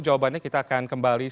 jawabannya kita akan kembali